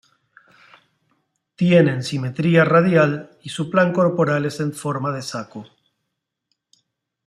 Tienen simetría radial y su plan corporal es en forma de saco.